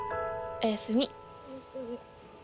おやすみ。